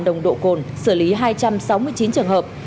nồng độ cồn xử lý hai trăm sáu mươi chín trường hợp